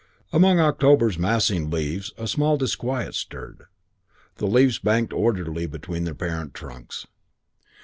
Among October's massing leaves, a small disquiet stirred. The leaves banked orderly between their parent trunks.